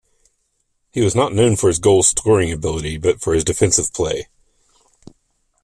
He was not known for his goal scoring ability, but for his defensive play.